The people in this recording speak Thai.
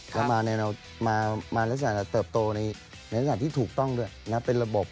แล้วมาในระดับเติบโตในระดับที่ถูกต้องด้วย